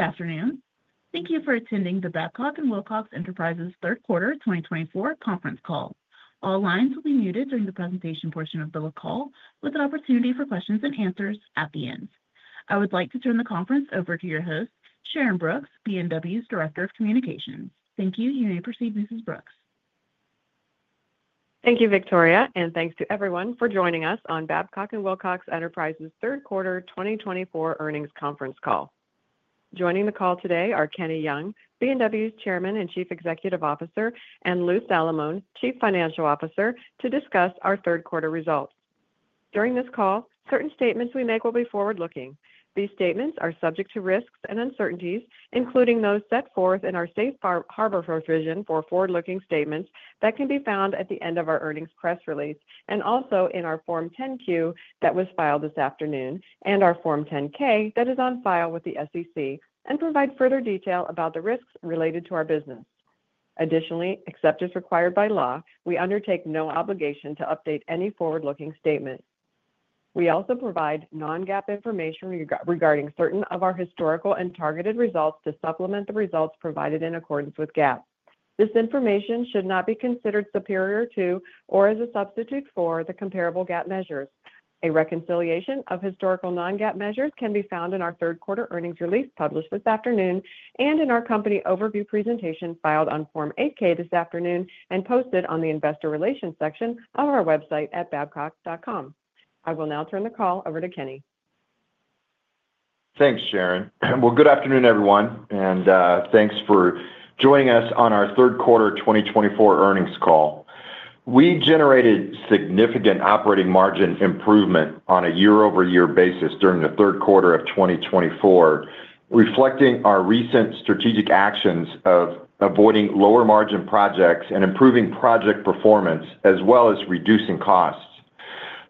Good afternoon. Thank you for attending the Babcock & Wilcox Enterprises third quarter 2024 conference call. All lines will be muted during the presentation portion of the call, with an opportunity for questions and answers at the end. I would like to turn the conference over to your host, Sharyn Brooks, B&W's Director of Communications. Thank you. You may proceed, Mrs. Brooks. Thank you, Victoria, and thanks to everyone for joining us on Babcock & Wilcox Enterprises Third Quarter 2024 earnings conference call. Joining the call today are Kenny Young, B&W's Chairman and Chief Executive Officer, and Lou Salamone, Chief Financial Officer, to discuss our third quarter results. During this call, certain statements we make will be forward-looking. These statements are subject to risks and uncertainties, including those set forth in our Safe Harbor Provision for forward-looking statements that can be found at the end of our earnings press release, and also in our Form 10-Q that was filed this afternoon, and our Form 10-K that is on file with the SEC, and provide further detail about the risks related to our business. Additionally, except as required by law, we undertake no obligation to update any forward-looking statements. We also provide non-GAAP information regarding certain of our historical and targeted results to supplement the results provided in accordance with GAAP. This information should not be considered superior to or as a substitute for the comparable GAAP measures. A reconciliation of historical non-GAAP measures can be found in our third quarter earnings release published this afternoon and in our company overview presentation filed on Form 8-K this afternoon and posted on the Investor Relations section of our website at babcock.com. I will now turn the call over to Kenny. Thanks, Sharyn. Good afternoon, everyone, and thanks for joining us on our third quarter 2024 earnings call. We generated significant operating margin improvement on a year-over-year basis during the third quarter of 2024, reflecting our recent strategic actions of avoiding lower margin projects and improving project performance, as well as reducing costs.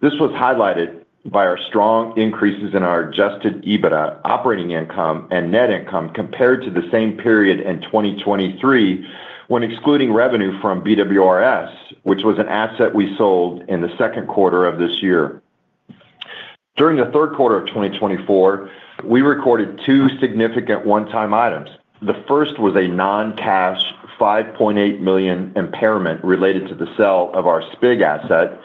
This was highlighted by our strong increases in our Adjusted EBITDA, operating income, and net income compared to the same period in 2023 when excluding revenue from BWRS, which was an asset we sold in the second quarter of this year. During the third quarter of 2024, we recorded two significant one-time items. The first was a non-cash $5.8 million impairment related to the sale of our SPIG asset,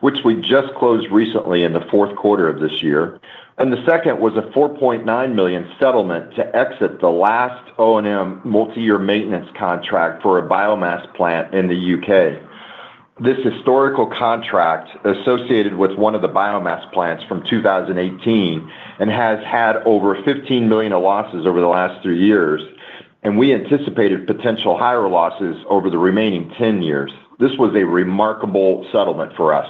which we just closed recently in the fourth quarter of this year. And the second was a $4.9 million settlement to exit the last O&M multi-year maintenance contract for a biomass plant in the U.K. This historical contract associated with one of the biomass plants from 2018 has had over $15 million in losses over the last three years, and we anticipated potential higher losses over the remaining 10 years. This was a remarkable settlement for us.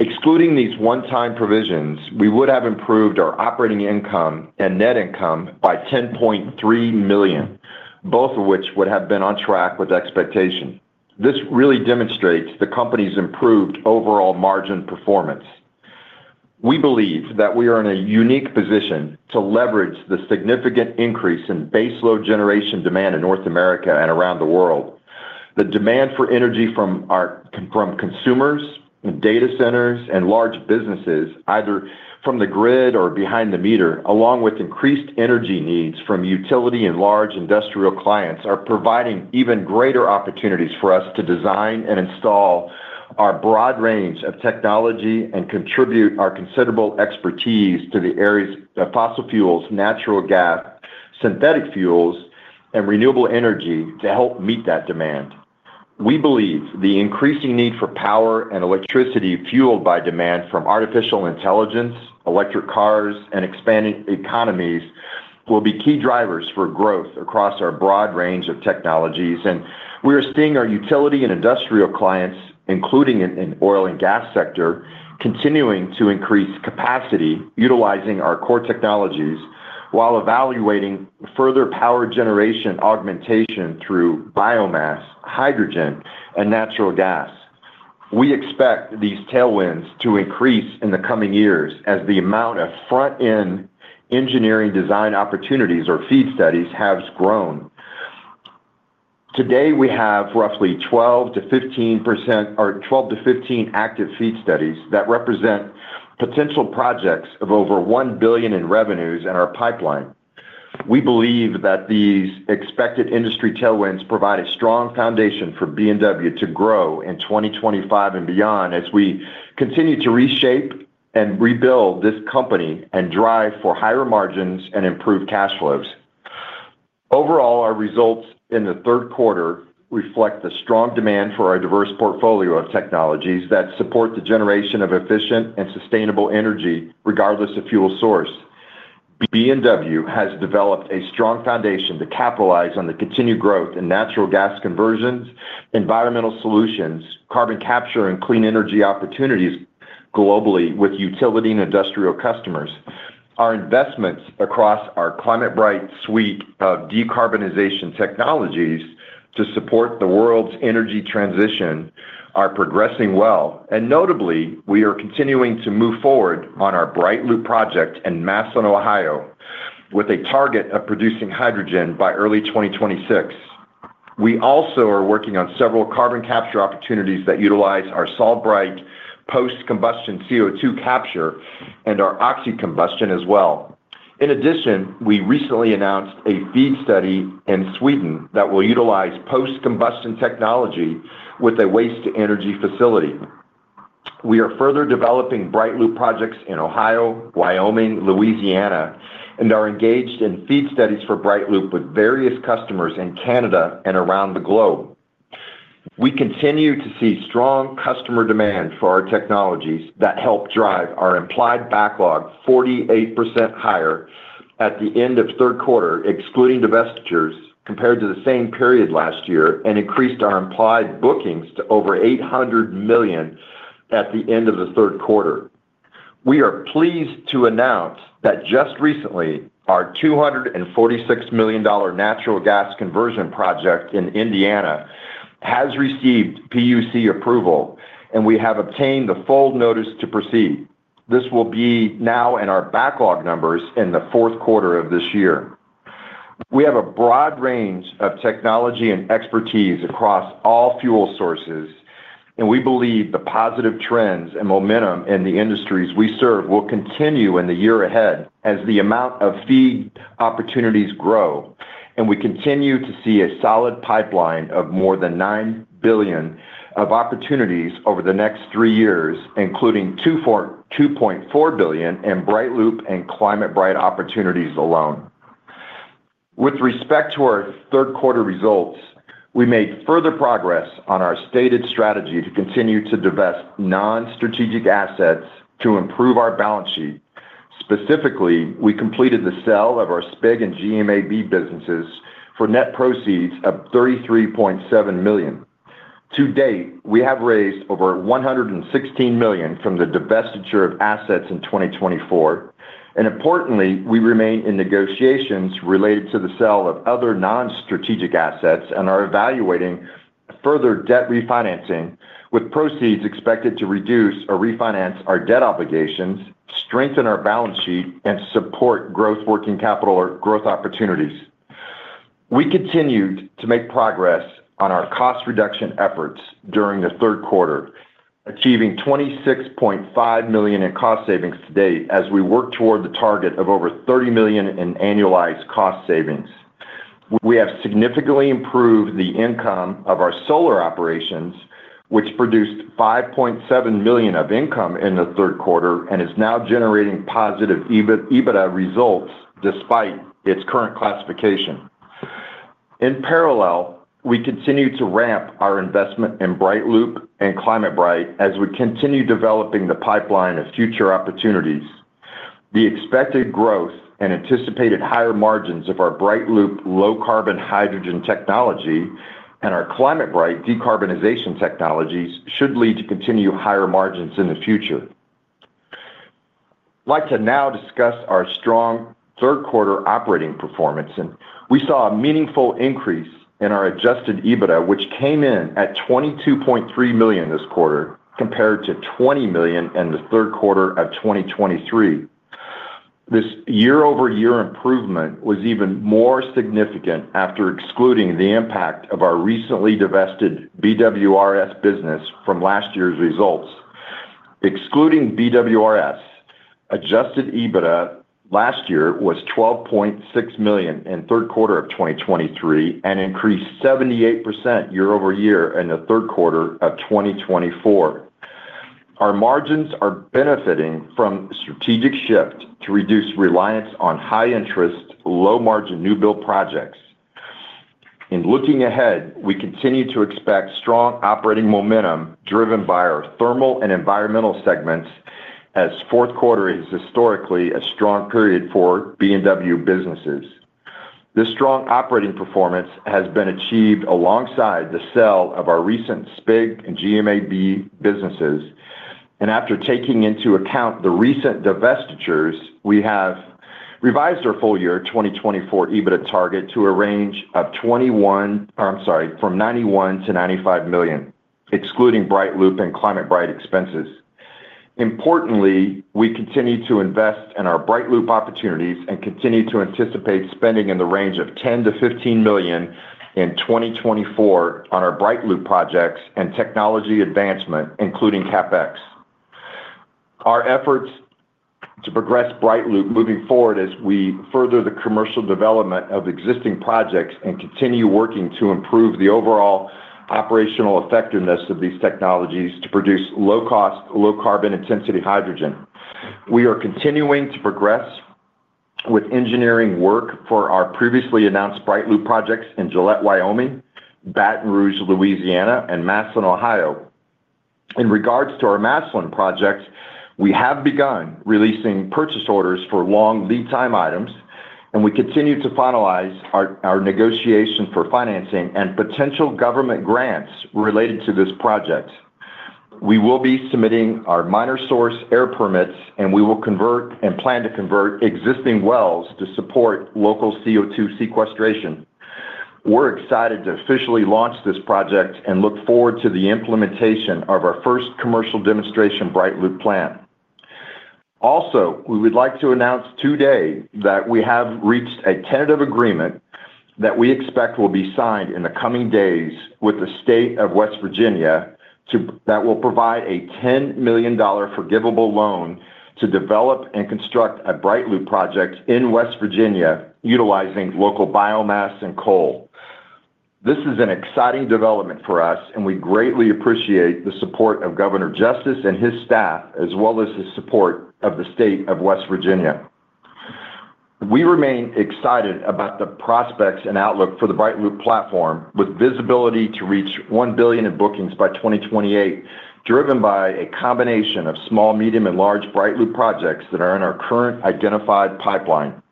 Excluding these one-time provisions, we would have improved our operating income and net income by $10.3 million, both of which would have been on track with expectation. This really demonstrates the company's improved overall margin performance. We believe that we are in a unique position to leverage the significant increase in baseload generation demand in North America and around the world. The demand for energy from consumers and data centers and large businesses, either from the grid or behind the meter, along with increased energy needs from utility and large industrial clients, are providing even greater opportunities for us to design and install our broad range of technology and contribute our considerable expertise to the areas of fossil fuels, natural gas, synthetic fuels, and renewable energy to help meet that demand. We believe the increasing need for power and electricity fueled by demand from artificial intelligence, electric cars, and expanding economies will be key drivers for growth across our broad range of technologies. And we are seeing our utility and industrial clients, including in the oil and gas sector, continuing to increase capacity utilizing our core technologies while evaluating further power generation augmentation through biomass, hydrogen, and natural gas. We expect these tailwinds to increase in the coming years as the amount of front-end engineering design opportunities or FEED studies has grown. Today, we have roughly 12%-15% or 12-15 active FEED studies that represent potential projects of over $1 billion in revenues in our pipeline. We believe that these expected industry tailwinds provide a strong foundation for B&W to grow in 2025 and beyond as we continue to reshape and rebuild this company and drive for higher margins and improved cash flows. Overall, our results in the third quarter reflect the strong demand for our diverse portfolio of technologies that support the generation of efficient and sustainable energy, regardless of fuel source. B&W has developed a strong foundation to capitalize on the continued growth in natural gas conversions, environmental solutions, carbon capture, and clean energy opportunities globally with utility and industrial customers. Our investments across our ClimateBright suite of decarbonization technologies to support the world's energy transition are progressing well. Notably, we are continuing to move forward on our BrightLoop project in Massillon, Ohio, with a target of producing hydrogen by early 2026. We also are working on several carbon capture opportunities that utilize our SolveBright post-combustion CO2 capture and our oxycombustion as well. In addition, we recently announced a FEED study in Sweden that will utilize post-combustion technology with a waste-to-energy facility. We are further developing BrightLoop projects in Ohio, Wyoming, Louisiana, and are engaged in FEED studies for BrightLoop with various customers in Canada and around the globe. We continue to see strong customer demand for our technologies that help drive our implied backlog 48% higher at the end of third quarter, excluding divestitures, compared to the same period last year, and increased our implied bookings to over $800 million at the end of the third quarter. We are pleased to announce that just recently, our $246 million natural gas conversion project in Indiana has received PUC approval, and we have obtained the full notice to proceed. This will be now in our backlog numbers in the fourth quarter of this year. We have a broad range of technology and expertise across all fuel sources, and we believe the positive trends and momentum in the industries we serve will continue in the year ahead as the amount of FEED opportunities grow. We continue to see a solid pipeline of more than $9 billion of opportunities over the next three years, including $2.4 billion in BrightLoop and ClimateBright opportunities alone. With respect to our third quarter results, we made further progress on our stated strategy to continue to divest non-strategic assets to improve our balance sheet. Specifically, we completed the sale of our SPIG and GMAB businesses for net proceeds of $33.7 million. To date, we have raised over $116 million from the divestiture of assets in 2024. Importantly, we remain in negotiations related to the sale of other non-strategic assets and are evaluating further debt refinancing, with proceeds expected to reduce or refinance our debt obligations, strengthen our balance sheet, and support growth working capital or growth opportunities. We continued to make progress on our cost reduction efforts during the third quarter, achieving $26.5 million in cost savings to date as we work toward the target of over $30 million in annualized cost savings. We have significantly improved the income of our solar operations, which produced $5.7 million of income in the third quarter and is now generating positive EBITDA results despite its current classification. In parallel, we continue to ramp our investment in BrightLoop and ClimateBright as we continue developing the pipeline of future opportunities. The expected growth and anticipated higher margins of our BrightLoop low-carbon hydrogen technology and our ClimateBright decarbonization technologies should lead to continued higher margins in the future. I'd like to now discuss our strong third quarter operating performance. We saw a meaningful increase in our Adjusted EBITDA, which came in at $22.3 million this quarter compared to $20 million in the third quarter of 2023. This year-over-year improvement was even more significant after excluding the impact of our recently divested BWRS business from last year's results. Excluding BWRS, Adjusted EBITDA last year was $12.6 million in the third quarter of 2023 and increased 78% year-over-year in the third quarter of 2024. Our margins are benefiting from the strategic shift to reduce reliance on high-interest, low-margin new-build projects. In looking ahead, we continue to expect strong operating momentum driven by our thermal and environmental segments as fourth quarter is historically a strong period for B&W businesses. This strong operating performance has been achieved alongside the sale of our recent SPIG and GMAB businesses. After taking into account the recent divestitures, we have revised our full-year 2024 EBITDA target to a range of $21, I'm sorry, from $91 million-$95 million, excluding BrightLoop and ClimateBright expenses. Importantly, we continue to invest in our BrightLoop opportunities and continue to anticipate spending in the range of $10 million-$15 million in 2024 on our BrightLoop projects and technology advancement, including CapEx. Our efforts to progress BrightLoop moving forward as we further the commercial development of existing projects and continue working to improve the overall operational effectiveness of these technologies to produce low-cost, low-carbon intensity hydrogen. We are continuing to progress with engineering work for our previously announced BrightLoop projects in Gillette, Wyoming, Baton Rouge, Louisiana, and Massillon, Ohio. In regards to our Massillon projects, we have begun releasing purchase orders for long lead-time items, and we continue to finalize our negotiation for financing and potential government grants related to this project. We will be submitting our minor source air permits, and we will convert and plan to convert existing wells to support local CO2 sequestration. We're excited to officially launch this project and look forward to the implementation of our first commercial demonstration BrightLoop plant. Also, we would like to announce today that we have reached a tentative agreement that we expect will be signed in the coming days with the State of West Virginia that will provide a $10 million forgivable loan to develop and construct a BrightLoop project in West Virginia utilizing local biomass and coal. This is an exciting development for us, and we greatly appreciate the support of Governor Justice and his staff, as well as the support of the state of West Virginia. We remain excited about the prospects and outlook for the BrightLoop platform, with visibility to reach $1 billion in bookings by 2028, driven by a combination of small, medium, and large BrightLoop projects that are in our current identified pipeline.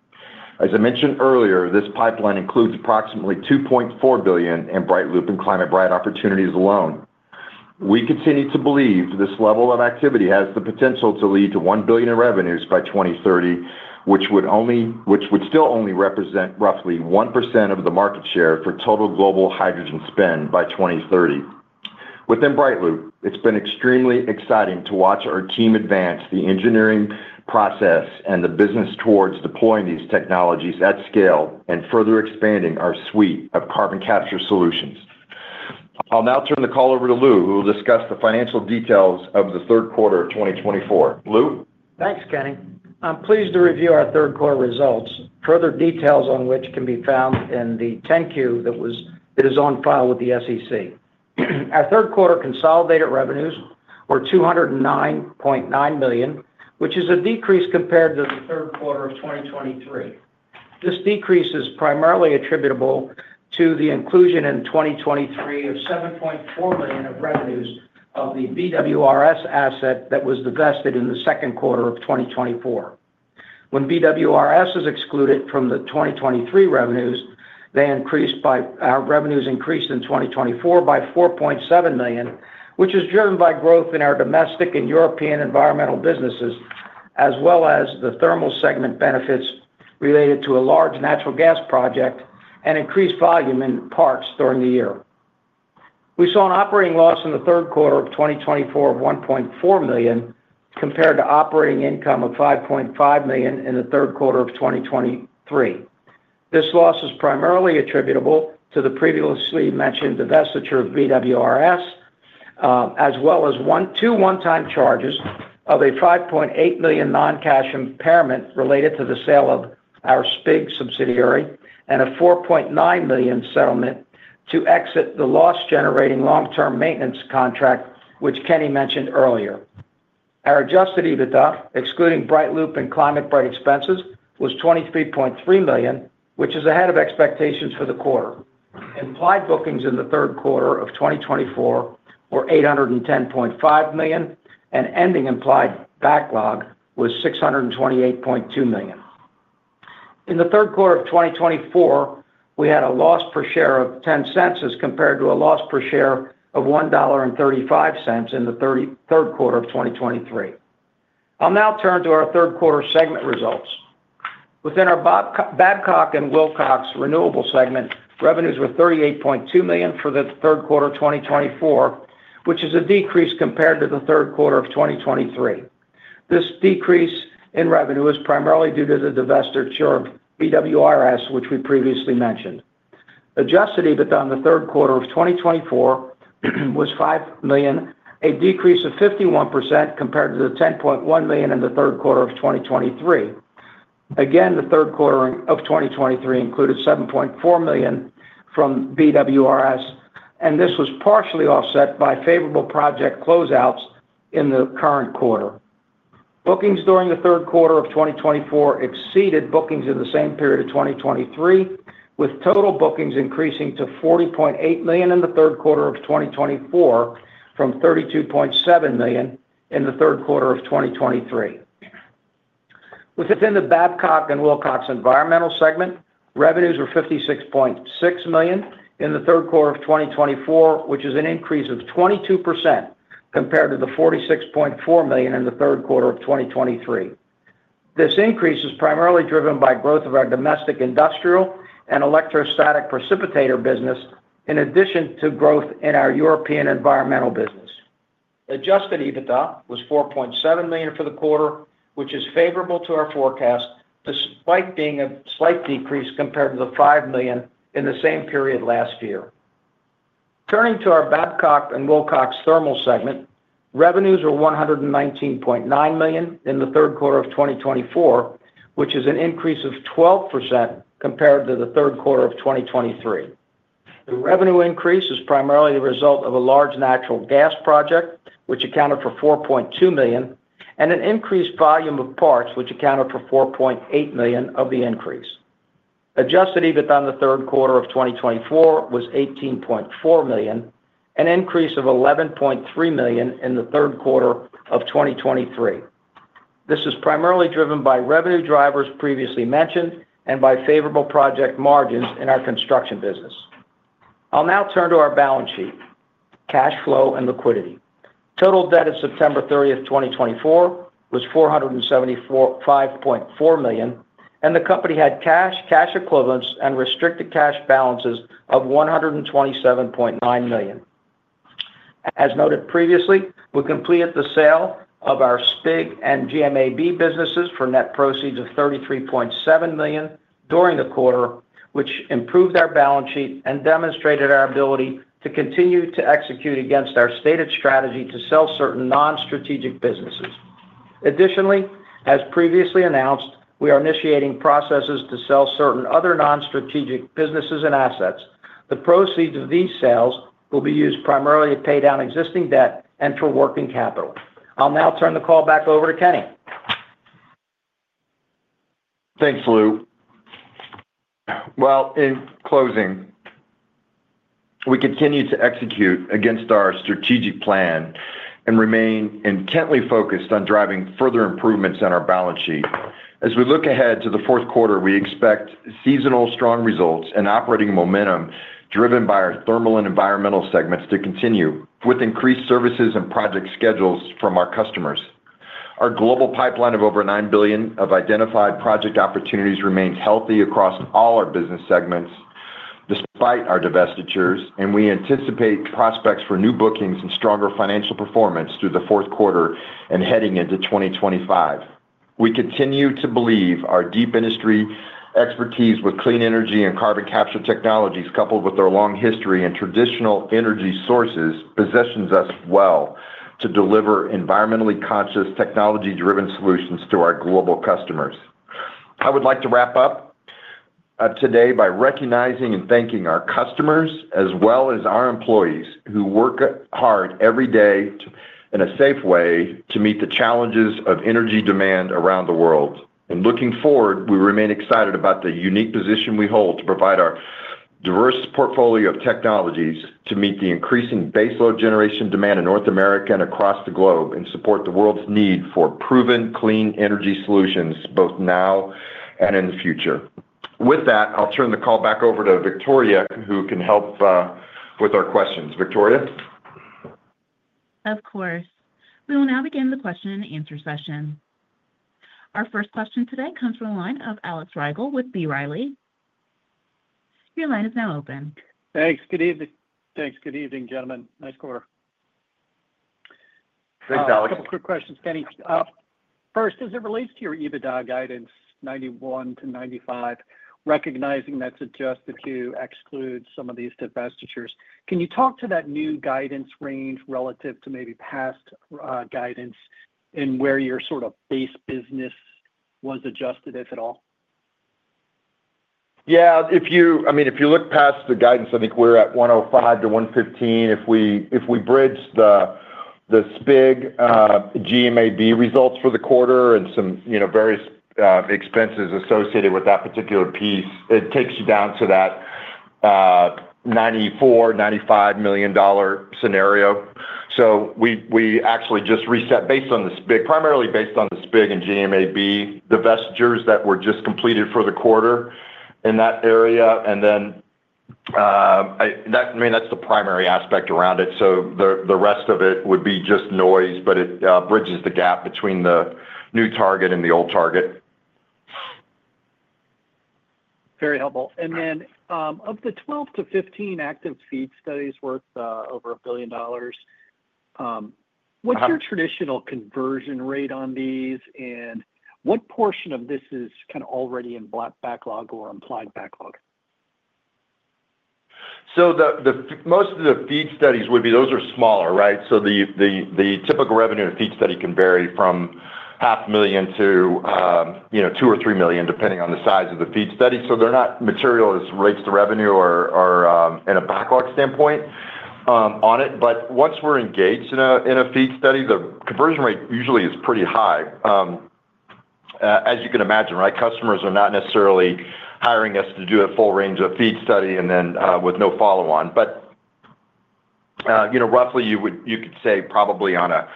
As I mentioned earlier, this pipeline includes approximately $2.4 billion in BrightLoop and ClimateBright opportunities alone. We continue to believe this level of activity has the potential to lead to $1 billion in revenues by 2030, which would still only represent roughly 1% of the market share for total global hydrogen spend by 2030. Within BrightLoop, it's been extremely exciting to watch our team advance the engineering process and the business towards deploying these technologies at scale and further expanding our suite of carbon capture solutions. I'll now turn the call over to Lou, who will discuss the financial details of the third quarter of 2024. Lou? Thanks, Kenny. I'm pleased to review our third quarter results, further details on which can be found in the 10-Q that is on file with the SEC. Our third quarter consolidated revenues were $209.9 million, which is a decrease compared to the third quarter of 2023. This decrease is primarily attributable to the inclusion in 2023 of $7.4 million of revenues of the BWRS asset that was divested in the second quarter of 2024. When BWRS is excluded from the 2023 revenues, our revenues increased in 2024 by $4.7 million, which is driven by growth in our domestic and European environmental businesses, as well as the thermal segment benefits related to a large natural gas project and increased volume in parts during the year. We saw an operating loss in the third quarter of 2024 of $1.4 million compared to operating income of $5.5 million in the third quarter of 2023. This loss is primarily attributable to the previously mentioned divestiture of BWRS, as well as two one-time charges of a $5.8 million non-cash impairment related to the sale of our SPIG subsidiary and a $4.9 million settlement to exit the loss-generating long-term maintenance contract, which Kenny mentioned earlier. Our Adjusted EBITDA, excluding BrightLoop and ClimateBright expenses, was $23.3 million, which is ahead of expectations for the quarter. Implied bookings in the third quarter of 2024 were $810.5 million, and ending implied backlog was $628.2 million. In the third quarter of 2024, we had a loss per share of $0.10 compared to a loss per share of $1.35 in the third quarter of 2023. I'll now turn to our third quarter segment results. Within our Babcock & Wilcox Renewables segment, revenues were $38.2 million for the third quarter of 2024, which is a decrease compared to the third quarter of 2023. This decrease in revenue is primarily due to the divestiture of BWRS, which we previously mentioned. Adjusted EBITDA in the third quarter of 2024 was $5 million, a decrease of 51% compared to the $10.1 million in the third quarter of 2023. Again, the third quarter of 2023 included $7.4 million from BWRS, and this was partially offset by favorable project closeouts in the current quarter. Bookings during the third quarter of 2024 exceeded bookings in the same period of 2023, with total bookings increasing to $40.8 million in the third quarter of 2024 from $32.7 million in the third quarter of 2023. Within the Babcock & Wilcox Environmental segment, revenues were $56.6 million in the third quarter of 2024, which is an increase of 22% compared to the $46.4 million in the third quarter of 2023. This increase is primarily driven by growth of our domestic industrial and electrostatic precipitator business, in addition to growth in our European environmental business. Adjusted EBITDA was $4.7 million for the quarter, which is favorable to our forecast, despite being a slight decrease compared to the $5 million in the same period last year. Turning to our Babcock & Wilcox Thermal segment, revenues were $119.9 million in the third quarter of 2024, which is an increase of 12% compared to the third quarter of 2023. The revenue increase is primarily the result of a large natural gas project, which accounted for $4.2 million, and an increased volume of parts, which accounted for $4.8 million of the increase. Adjusted EBITDA in the third quarter of 2024 was $18.4 million, an increase of $11.3 million in the third quarter of 2023. This is primarily driven by revenue drivers previously mentioned and by favorable project margins in our construction business. I'll now turn to our balance sheet, cash flow and liquidity. Total debt as of September 30, 2024, was $475.4 million, and the company had cash, cash equivalents, and restricted cash balances of $127.9 million. As noted previously, we completed the sale of our SPIG and GMAB businesses for net proceeds of $33.7 million during the quarter, which improved our balance sheet and demonstrated our ability to continue to execute against our stated strategy to sell certain non-strategic businesses. Additionally, as previously announced, we are initiating processes to sell certain other non-strategic businesses and assets. The proceeds of these sales will be used primarily to pay down existing debt and for working capital. I'll now turn the call back over to Kenny. Thanks, Lou. Well, in closing, we continue to execute against our strategic plan and remain intently focused on driving further improvements in our balance sheet. As we look ahead to the fourth quarter, we expect seasonal strong results and operating momentum driven by our thermal and environmental segments to continue, with increased services and project schedules from our customers. Our global pipeline of over $9 billion of identified project opportunities remains healthy across all our business segments despite our divestitures, and we anticipate prospects for new bookings and stronger financial performance through the fourth quarter and heading into 2025. We continue to believe our deep industry expertise with clean energy and carbon capture technologies, coupled with our long history in traditional energy sources, positions us well to deliver environmentally conscious, technology-driven solutions to our global customers. I would like to wrap up today by recognizing and thanking our customers, as well as our employees who work hard every day in a safe way to meet the challenges of energy demand around the world. In looking forward, we remain excited about the unique position we hold to provide our diverse portfolio of technologies to meet the increasing baseload generation demand in North America and across the globe and support the world's need for proven, clean energy solutions both now and in the future. With that, I'll turn the call back over to Victoria, who can help with our questions. Victoria? Of course. We will now begin the question-and-answer session. Our first question today comes from the line of Alex Rygiel with B. Riley. Your line is now open. Thanks. Good evening. Thanks. Good evening, gentlemen. Nice quarter. Thanks, Alex. A couple of quick questions, Kenny. First, as it relates to your EBITDA guidance, $91-$95, recognizing that's adjusted to exclude some of these divestitures, can you talk to that new guidance range relative to maybe past guidance and where your sort of base business was adjusted, if at all? Yeah. I mean, if you look past the guidance, I think we're at $105-$115 if we bridge the SPIG, GMAB results for the quarter, and some various expenses associated with that particular piece. It takes you down to that $94 million-$95 million scenario. So we actually just reset, primarily based on the SPIG and GMAB divestitures that were just completed for the quarter in that area. And then, I mean, that's the primary aspect around it. So the rest of it would be just noise, but it bridges the gap between the new target and the old target. Very helpful, and then of the 12-15 active FEED studies worth over $1 billion, what's your traditional conversion rate on these, and what portion of this is kind of already in backlog or implied backlog? Most of the FEED studies would be those; they are smaller, right? The typical revenue in a FEED study can vary from $500,000 to $2 million or $3 million, depending on the size of the FEED study. So they're not material as rates to revenue or in a backlog standpoint on it. But once we're engaged in a FEED study, the conversion rate usually is pretty high. As you can imagine, right, customers are not necessarily hiring us to do a full range of FEED study and then with no follow-on. But roughly, you could say probably on a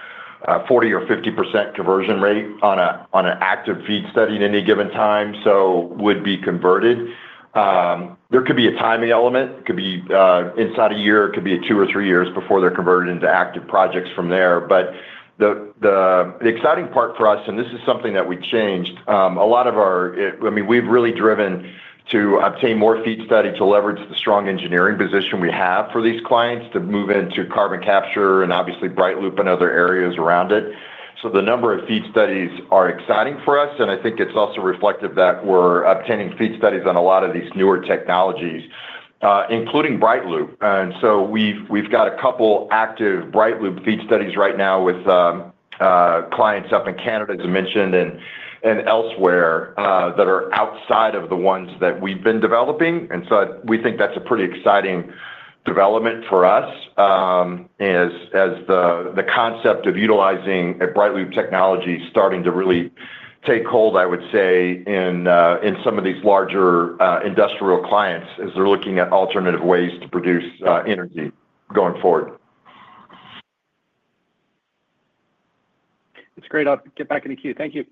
40% or 50% conversion rate on an active FEED study at any given time so would be converted. There could be a timing element. It could be inside a year. It could be two or three years before they're converted into active projects from there. But the exciting part for us, and this is something that we changed, a lot of our. I mean, we've really driven to obtain more FEED studies to leverage the strong engineering position we have for these clients to move into carbon capture and obviously BrightLoop and other areas around it. So the number of FEED studies are exciting for us. And I think it's also reflective that we're obtaining FEED studies on a lot of these newer technologies, including BrightLoop. And so we've got a couple active BrightLoop FEED studies right now with clients up in Canada, as I mentioned, and elsewhere that are outside of the ones that we've been developing. And so we think that's a pretty exciting development for us as the concept of utilizing BrightLoop technology is starting to really take hold, I would say, in some of these larger industrial clients as they're looking at alternative ways to produce energy going forward. That's great. I'll get back in the queue. Thank you.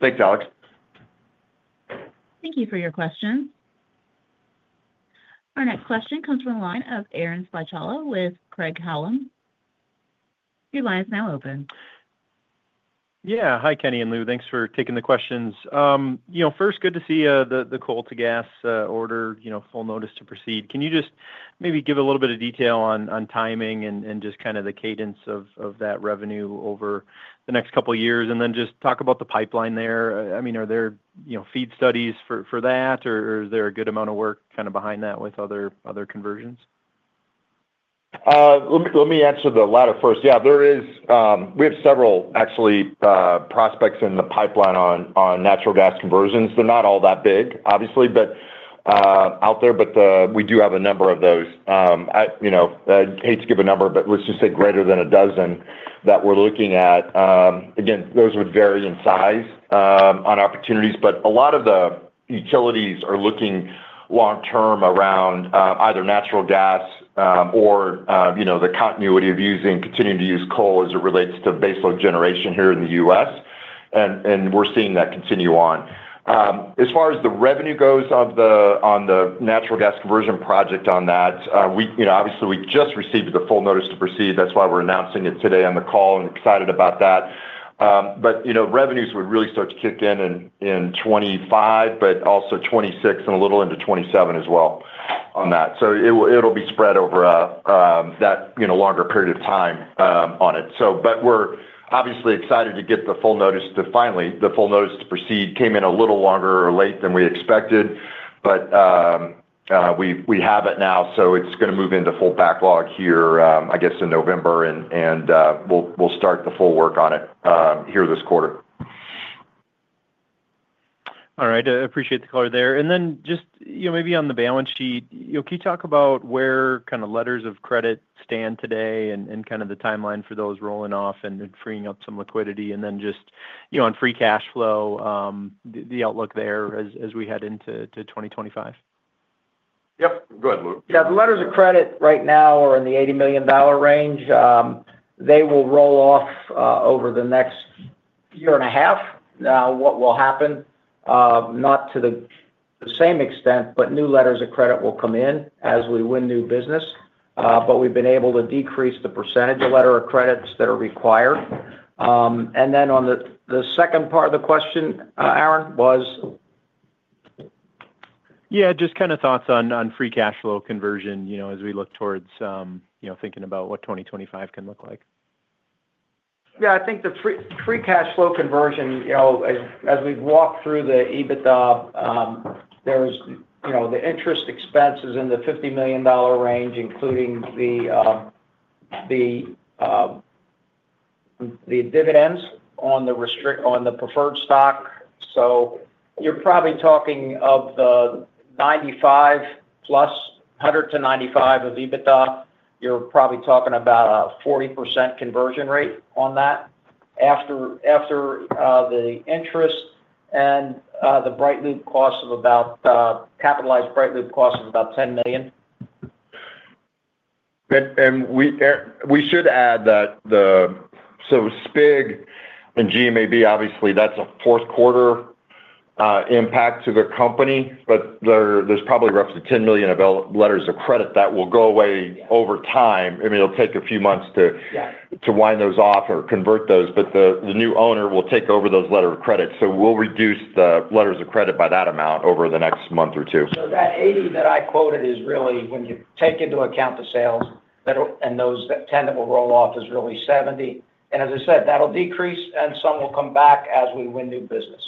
Thanks, Alex. Thank you for your question. Our next question comes from the line of Aaron Spychalla with Craig-Hallum. Your line is now open. Yeah. Hi, Kenny and Lou. Thanks for taking the questions. First, good to see the coal-to-gas order, full notice to proceed. Can you just maybe give a little bit of detail on timing and just kind of the cadence of that revenue over the next couple of years and then just talk about the pipeline there? I mean, are there FEED studies for that, or is there a good amount of work kind of behind that with other conversions? Let me answer the latter first. Yeah, we have several actually prospects in the pipeline on natural gas conversions. They're not all that big, obviously, out there, but we do have a number of those. I hate to give a number, but let's just say greater than a dozen that we're looking at. Again, those would vary in size on opportunities, but a lot of the utilities are looking long-term around either natural gas or the continuity of continuing to use coal as it relates to baseload generation here in the U.S., and we're seeing that continue on. As far as the revenue goes on the natural gas conversion project on that, obviously, we just received the full notice to proceed. That's why we're announcing it today on the call and excited about that. But revenues would really start to kick in in 2025, but also 2026 and a little into 2027 as well on that, so it'll be spread over that longer period of time on it, but we're obviously excited to finally get the full notice to proceed. It came in a little later than we expected, but we have it now, so it's going to move into full backlog here, I guess, in November, and we'll start the full work on it here this quarter. All right. Appreciate the color there, and then just maybe on the balance sheet, can you talk about where kind of letters of credit stand today and kind of the timeline for those rolling off and freeing up some liquidity, and then just on free cash flow, the outlook there as we head into 2025? Yep. Go ahead, Lou. Yeah. The letters of credit right now are in the $80 million range. They will roll off over the next year and a half. Now, what will happen? Not to the same extent, but new letters of credit will come in as we win new business. But we've been able to decrease the percentage of letters of credit that are required. And then on the second part of the question, Aaron, was? Yeah. Just kind of thoughts on free cash flow conversion as we look towards thinking about what 2025 can look like. Yeah. I think the free cash flow conversion, as we've walked through the EBITDA, there's the interest expenses in the $50 million range, including the dividends on the preferred stock. So you're probably talking of the 95+, 100 to 95 of EBITDA, you're probably talking about a 40% conversion rate on that after the interest and the BrightLoop cost of about capitalized BrightLoop cost of about $10 million. We should add that so SPIG and GMAB, obviously, that's a fourth quarter impact to the company, but there's probably roughly $10 million of letters of credit that will go away over time. I mean, it'll take a few months to wind those off or convert those, but the new owner will take over those letters of credit. We'll reduce the letters of credit by that amount over the next month or two. So that 80 that I quoted is really, when you take into account the sales and those that tend to roll off, is really 70. And as I said, that'll decrease, and some will come back as we win new business.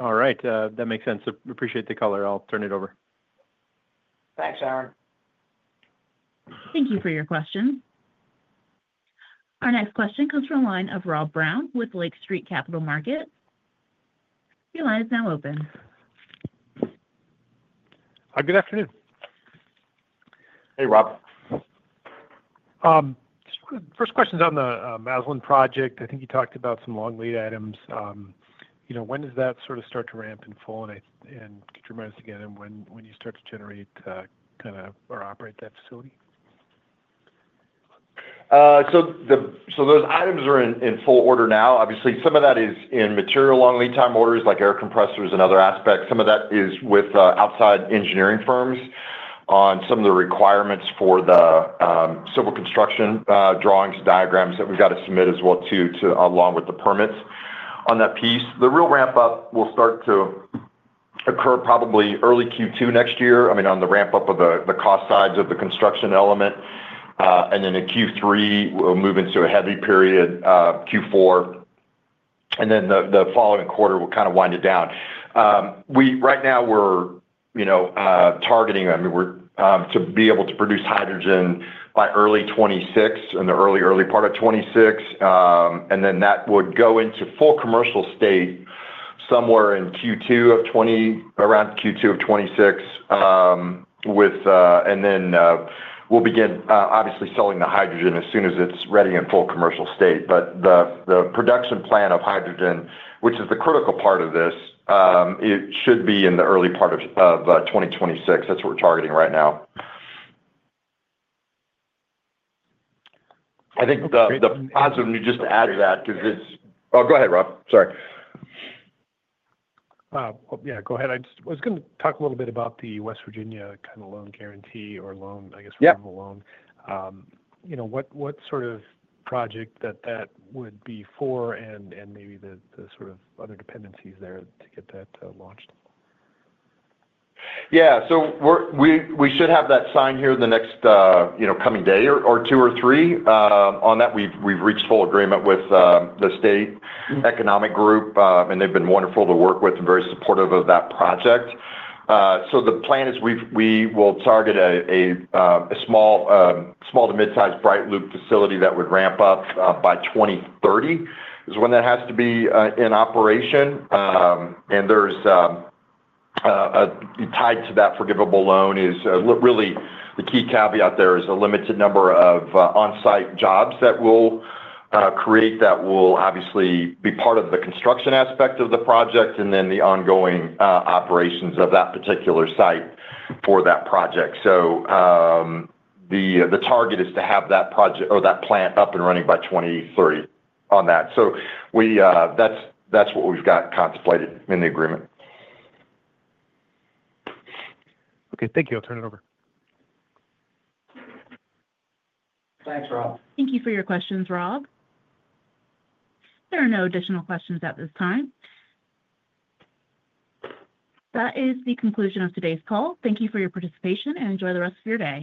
All right. That makes sense. Appreciate the color. I'll turn it over. Thanks, Aaron. Thank you for your question. Our next question comes from a line of Rob Brown with Lake Street Capital Markets. Your line is now open. Hi, good afternoon. Hey, Rob. First question's on the Massillon project. I think you talked about some long lead items. When does that sort of start to ramp in full and get your money together and when you start to generate kind of or operate that facility? So those items are in full order now. Obviously, some of that is in material long lead time orders like air compressors and other aspects. Some of that is with outside engineering firms on some of the requirements for the civil construction drawings and diagrams that we've got to submit as well too along with the permits on that piece. The real ramp-up will start to occur probably early Q2 next year, I mean, on the ramp-up of the cost sides of the construction element. And then in Q3, we'll move into a heavy period, Q4. And then the following quarter, we'll kind of wind it down. Right now, we're targeting, I mean, to be able to produce hydrogen by early 2026 and the early, early part of 2026. And then that would go into full commercial state somewhere in Q2 of 2026, around Q2 of 2026. And then we'll begin, obviously, selling the hydrogen as soon as it's ready in full commercial state. But the production plan of hydrogen, which is the critical part of this, it should be in the early part of 2026. That's what we're targeting right now. I think the positive news just to add to that because it's oh, go ahead, Rob. Sorry. Yeah. Go ahead. I was going to talk a little bit about the West Virginia kind of loan guarantee or loan, I guess, renewable loan. What sort of project that that would be for and maybe the sort of other dependencies there to get that launched? Yeah. So we should have that signed here the next coming day or two or three. On that, we've reached full agreement with the state economic group, and they've been wonderful to work with and very supportive of that project. So the plan is we will target a small to mid-sized BrightLoop facility that would ramp up by 2030 is when that has to be in operation. And tied to that forgivable loan is really the key caveat there is a limited number of on-site jobs that we'll create that will obviously be part of the construction aspect of the project and then the ongoing operations of that particular site for that project. So the target is to have that project or that plant up and running by 2030 on that. So that's what we've got contemplated in the agreement. Okay. Thank you. I'll turn it over. Thanks, Rob. Thank you for your questions, Rob. There are no additional questions at this time. That is the conclusion of today's call. Thank you for your participation and enjoy the rest of your day.